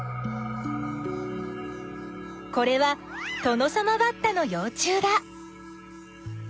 これはトノサマバッタのよう虫だ。